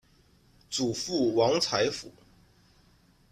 祖父王才甫。